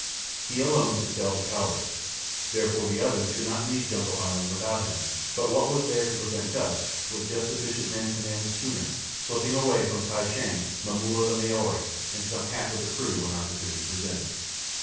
He alone could sail the Cowrie, therefore the others could not leave Jungle Island without him; but what was there to prevent Gust, with just sufficient men to man the schooner, slipping away from Kai Shang, Momulla the Maori, and some half of the crew when opportunity presented?